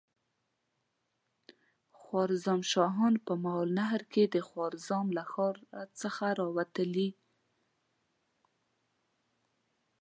خوارزم شاهان په ماوراالنهر کې د خوارزم له ښار څخه را وتلي.